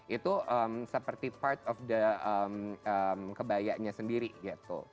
itu seperti part of the kebayanya sendiri gitu